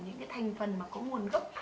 những cái thành phần mà có nguồn gốc